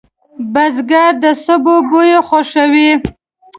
بزګر د سبو بوی خوښوي